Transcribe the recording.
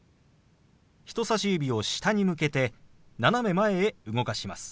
人さし指を下に向けて斜め前へ動かします。